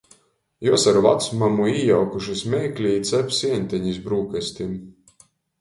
Juos ar vacmamu ījaukušys meikli i cap sieņtenis brūkastim.